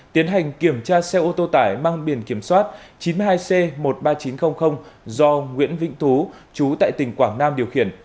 tiến hành kiểm tra xe ô tô tải mang biển kiểm soát chín mươi hai c một mươi ba nghìn chín trăm linh do nguyễn vĩnh tú chú tại tỉnh quảng nam điều khiển